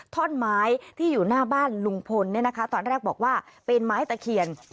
ท่อนไม้ที่อยู่หน้าบ้านลุงพลเนี่ยนะคะตอนแรกบอกว่าเป็นไม้ตะเคียน